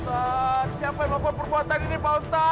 ustaz siapa yang melakukan perbuatan ini ustaz